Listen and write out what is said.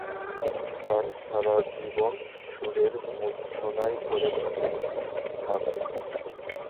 তার সারাজীবন সুরের মুর্ছনায় ভরে থাক।